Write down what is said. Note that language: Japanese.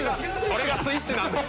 これがスイッチなんだ。